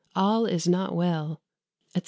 All is not well," etc.